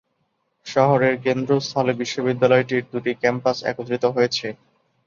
শহরের কেন্দ্রস্থলে বিশ্ববিদ্যালয়টির দুটি ক্যাম্পাস একত্রিত হয়েছে।